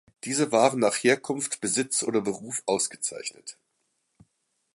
Diese waren nach Herkunft, Besitz oder Beruf ausgezeichnet.